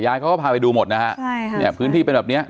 ยายก็พาไปดูหมดนะคะพื้นที่เป็นแบบนี้